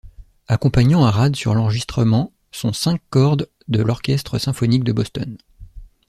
Accompagnant Arad sur l'enregistrement sont cinq cordes de l’Orchestre symphonique de Boston.